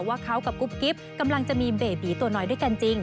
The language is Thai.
ว่าเขากับกุ๊บกิ๊บกำลังจะมีเบบีตัวน้อยด้วยกันจริง